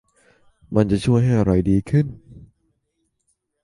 มันจะช่วยให้อะไรดีขึ้น